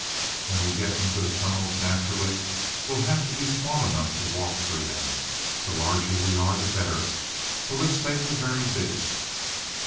When we get into the tunnels, naturally we'll have to be small enough to walk through them. The larger we are the better; so let's take the very biggest."